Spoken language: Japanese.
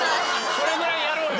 それぐらいやろうよ！